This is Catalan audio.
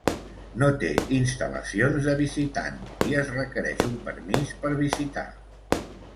No té instal·lacions de visitant i es requereix un permís per visitar.